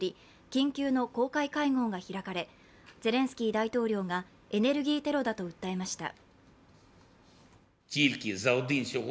緊急の公開会合が開かれゼレンスキー大統領がエネルギーテロだと訴えました。